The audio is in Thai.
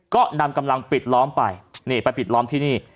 ก็นำกำลังปิดล้อมไปนี่ไปปิดล้อมที่นี่